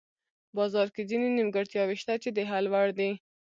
بازار کې ځینې نیمګړتیاوې شته چې د حل وړ دي.